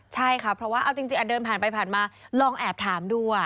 ใช่ค่ะเพราะว่าเอาจริงเดินผ่านไปผ่านมาลองแอบถามดู